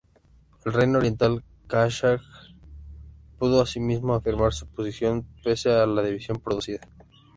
El reino oriental Kashgar pudo, asimismo, afirmar su posición pese a la división producida.